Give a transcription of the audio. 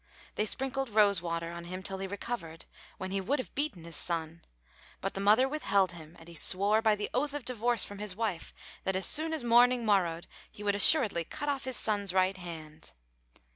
They sprinkled rose water on him till he recovered, when he would have beaten his son; but the mother withheld him, and he swore, by the oath of divorce from his wife that, as soon as morning morrowed, he would assuredly cut off his son's right hand.